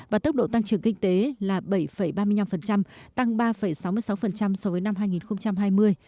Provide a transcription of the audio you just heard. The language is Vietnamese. và tốc độ tăng trưởng kinh tế là bảy ba mươi năm tăng ba sáu mươi sáu so với năm hai nghìn hai mươi